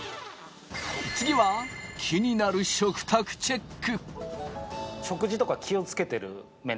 次は気になる食卓チェック。